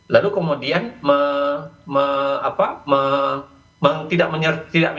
lalu kemudian tidak mengikutsertakan dua